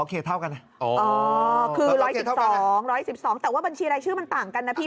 อ๋อคือ๑๑๒แต่ว่าบัญชีอะไรชื่อมันต่างกันนะพี่